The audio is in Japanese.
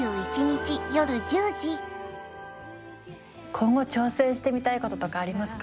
今後挑戦してみたいこととかありますか？